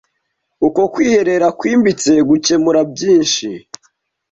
uko kwiherera kwimbitse gukemura byinshi